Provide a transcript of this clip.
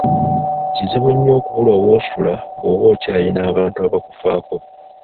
Kizibu nnyo okubulwa w'osula bwoba okyayina abantu abakufaako.